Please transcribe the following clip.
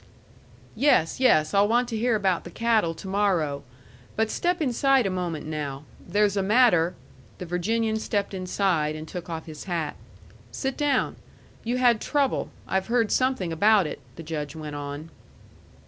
"Yes, yes; I'll want to hear about the cattle to morrow. But step inside a moment now. There's a matter " The Virginian stepped inside, and took off his hat. "Sit down. You had trouble I've heard something about it," the Judge went on.